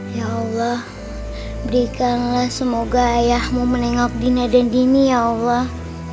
ya allah berikanlah semoga ayahmu menengok dina dan dini ya allah